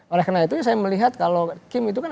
oleh karena itu saya melihat kalau kim itu kan